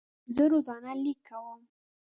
زه روزانه لیک کوم.